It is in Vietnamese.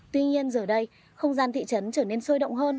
tuy nhiên giờ đây không gian thị trấn trở nên sôi động hơn